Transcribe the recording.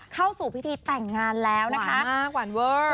เข้าสู่พิธีแต่งงานแล้วนะคะหวานมากหวานเวิร์ด